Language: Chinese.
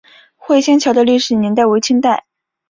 会仙桥的历史年代为清代。